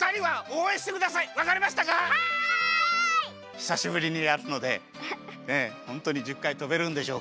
ひさしぶりにやるのでホントに１０かいとべるんでしょうか？